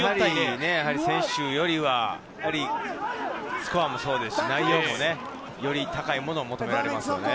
先週よりはスコアもそうですが、内容もより高いものを求められますよね。